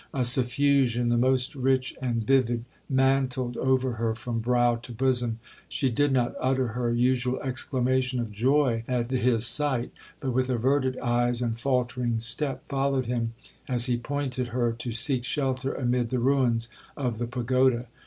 A suffusion, the most rich and vivid, mantled over her from brow to bosom; she did not utter her usual exclamation of joy at his sight, but, with averted eyes and faultering step, followed him as he pointed her to seek shelter amid the ruins of the pagoda.